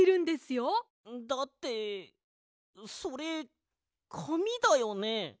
だってそれかみだよね？